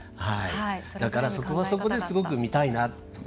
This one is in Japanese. そこはそこですごく見たいなと。